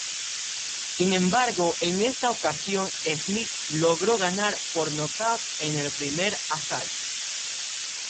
Sin embargo en esta ocasión Smith logró ganar por nocaut en el primer asalto.